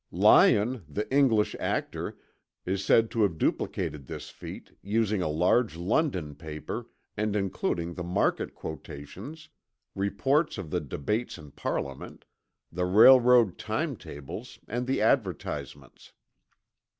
Lyon, the English actor, is said to have duplicated this feat, using a large London paper and including the market quotations, reports of the debates in Parliament, the railroad time tables and the advertisements.